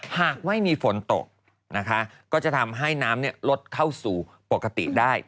หากไม่มีฝนตกนะคะก็จะทำให้น้ำลดเข้าสู่ปกติได้